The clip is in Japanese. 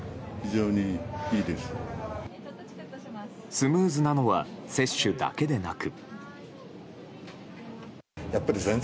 スムーズなのは接種だけでなく。